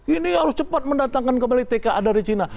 ini harus cepat mendatangkan kembali tka dari cina